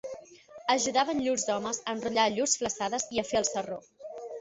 Ajudaven llurs homes a enrotllar llurs flassades i a fer el sarró.